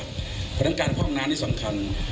เพราะฉะนั้นการพ่องงานนี่สำคัญ